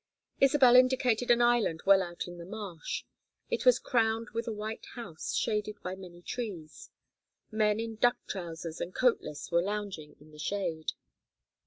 Isabel indicated an island well out in the marsh. It was crowned with a white house shaded by many trees. Men in duck trousers, and coatless, were lounging in the shade.